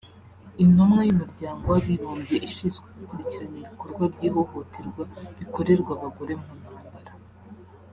Intumwa y’Umuryango w’Abibumbye ishinzwe gukurikirana ibikorwa by’ihohoterwa bikorerwa abagore mu ntambara